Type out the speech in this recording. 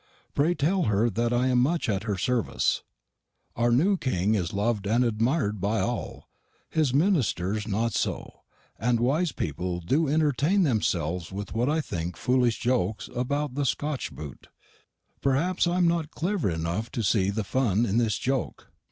Pray tell her that I am much at her servise. "Our new king is lov'd and admir'd by all. His ministers not so; and wise peopel do entertain themselfs with what I think foollish jokes a bout a Skotch boote. Perhapps I am not cleverr enuff to see the funn in this joke."